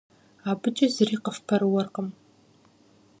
АбыкӀи зыри къыфпэрыуэркъым.